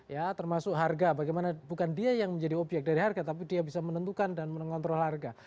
ya termasuk harga bagaimana bukan dia yang menjadi obyek dari harga tapi dia bisa menentukan dan mengontrol harga